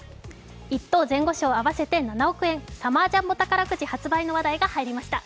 １等前後賞合わせて７億円サマージャンボ宝くじ発売の話題が入りました。